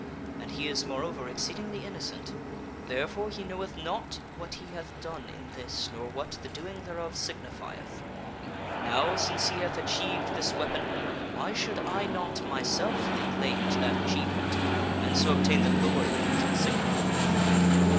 And he is, moreover, exceedingly innocent. Therefore he knoweth not what he hath done in this nor what the doing thereof signi sirj ^ aykee p. fieth. Now, since he hath achieved this weapon, why should etk the sword I not myself lay claim to that achievement, and so obtain the f or hls own glory which it signifieth."